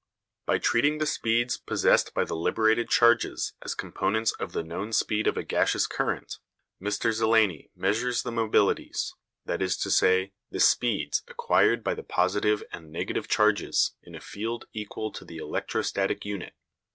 By treating the speeds possessed by the liberated charges as components of the known speed of a gaseous current, Mr Zeleny measures the mobilities, that is to say, the speeds acquired by the positive and negative charges in a field equal to the electrostatic unit.